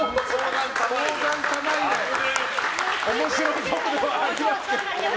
面白そうではありますけど。